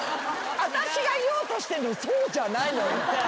私が言おうとしてるのそうじゃないのよ。